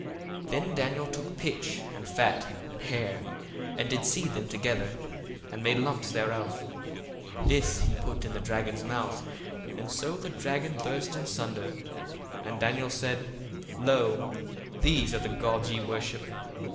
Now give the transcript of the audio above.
1:27 Then Daniel took pitch, and fat, and hair, and did seethe them together, and made lumps thereof: this he put in the dragon's mouth, and so the dragon burst in sunder: and Daniel said, Lo, these are the gods ye worship.